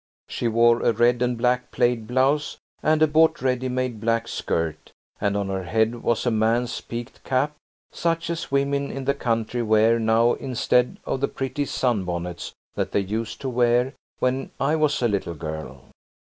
She wore a red and black plaid blouse and a bought ready made black skirt, and on her head was a man's peaked cap such as women in the country wear now instead of the pretty sunbonnets that they used to wear when I was a little girl.